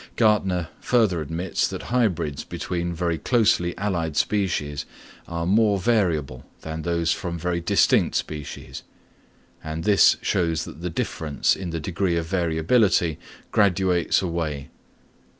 Gärtner further admits that hybrids between very closely allied species are more variable than those from very distinct species; and this shows that the difference in the degree of variability graduates away.